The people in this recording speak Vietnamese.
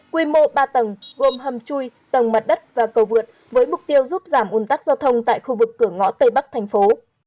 quy mô ba tầng gồm hầm chui tầng mặt đất và cầu vượt với mục tiêu giúp giảm un tắc giao thông tại khu vực cửa ngõ tây bắc thành phố